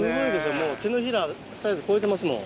もう手のひらサイズ超えてますもん。